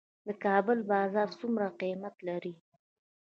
د کابل بازان څومره قیمت لري؟